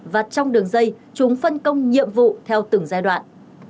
và trong đường dây chúng phân công nhiệm vụ theo từng giai đoạn